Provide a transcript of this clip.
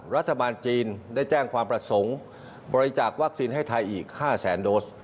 รัฐบาลจีนได้แจ้งความประสงค์บริจาควัคซีนให้ไทยอีก๕แสนโดส